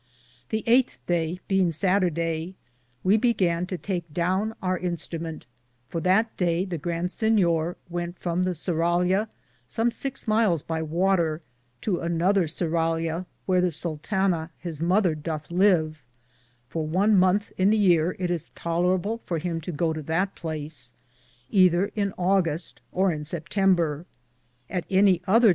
The 8 day, beinge Satterday, we began to take Downe our instramente, for that day the Grand Sinyor went from the surralia som six myles by water to an other surralia wheare the sultana his mother dothe live ; for one monthe in the yeare it is tolorable for him to goo to that place, ether in Auguste or in September ; at any other time he ^ Capougee, lit.